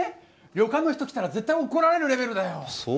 旅館の人来たら絶対怒られるレベルだよそう？